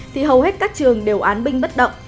thì hầu hết các trường đều án binh bất động